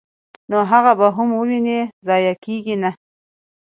نو هغه به هم وويني، ضائع کيږي نه!!.